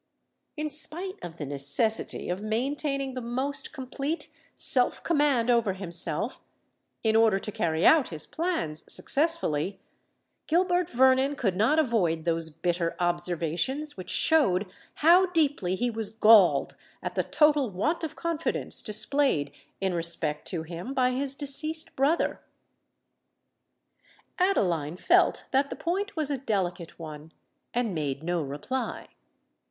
In spite of the necessity of maintaining the most complete self command over himself, in order to carry out his plans successfully, Gilbert Vernon could not avoid those bitter observations which showed how deeply he was galled at the total want of confidence displayed in respect to him by his deceased brother. Adeline felt that the point was a delicate one, and made no reply.